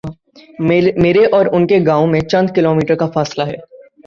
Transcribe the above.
میرے اور ان کے گاؤں میں چند کلو میٹرکا فاصلہ ہے۔